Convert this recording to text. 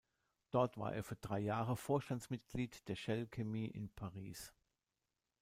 Dort war er für drei Jahre Vorstandsmitglied der Shell Chemie in Paris.